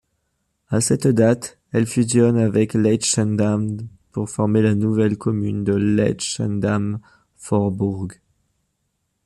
À cette date, elle fusionne avec Leidschendam pour former la nouvelle commune de Leidschendam-Voorburg.